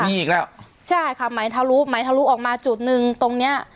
มีอีกแล้วใช่ค่ะไหมทะลุไหมทะลุออกมาจุดหนึ่งตรงเนี้ย